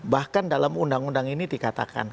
bahkan dalam undang undang ini dikatakan